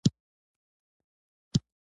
د هیلې خوند نا امیدي له منځه وړي.